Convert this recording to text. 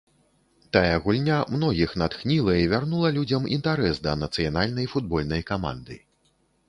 Тая гульня многіх натхніла і вярнула людзям інтарэс да нацыянальнай футбольнай каманды.